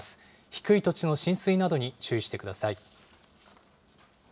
低い土地の浸水などに注意してください。